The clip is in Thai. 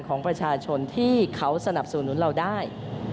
ของประชาชนที่เขาสนับสนุนเราได้